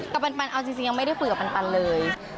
กับปันปันเอาจริงยังไม่ได้คุยกับปันปันเลย